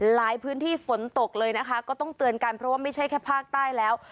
หลายพื้นที่ฝนตกเลยนะคะก็ต้องเตือนกันเพราะว่าไม่ใช่แค่ภาคใต้แล้ว